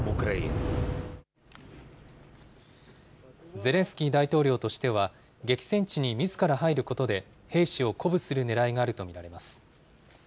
ゼレンスキー大統領としては、激戦地にみずから入ることで、兵士を鼓舞するねらいがあると見られます。